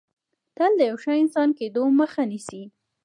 تل د یو ښه انسان کېدو مخه نیسي